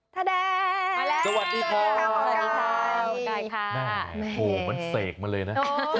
ทาแด้สวัสดีครับหมอไก่ค่ะโอ้โฮมันเสกมาเลยนะ